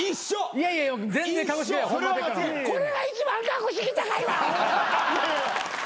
これが一番格式高いわアホ！